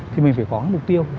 thì mình phải có mục tiêu